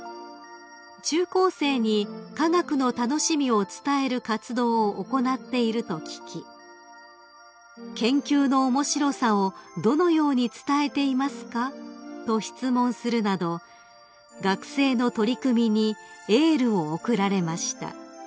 ［中高生に科学の楽しみを伝える活動を行っていると聞き「研究の面白さをどのように伝えていますか？」と質問するなど学生の取り組みにエールを送られました］